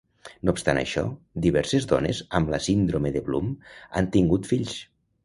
No obstant això, diverses dones amb la síndrome de Bloom han tingut fills.